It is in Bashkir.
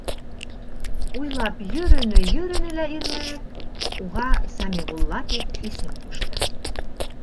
Уйлап йөрөнө-йөрөнө лә Ирмәк, уға Сәмиғулла тип исем ҡушты.